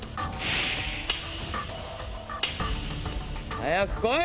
早く来い！